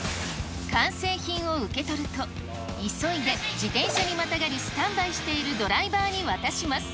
完成品を受け取ると、急いで自転車にまたがり、スタンバイしているドライバーに渡します。